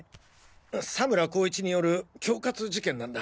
佐村功一による恐喝事件なんだ。